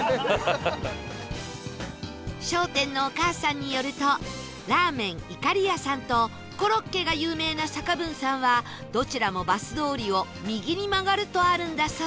商店のお母さんによるとラーメンいかりやさんとコロッケが有名な坂文さんはどちらもバス通りを右に曲がるとあるんだそう